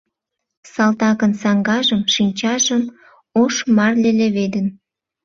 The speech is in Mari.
Салтакын саҥгажым, шинчажым ош марле леведын.